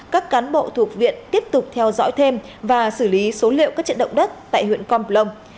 các cán bộ thuộc viện tiếp tục theo dõi thêm và xử lý số liệu các trận động đất tại huyện con plông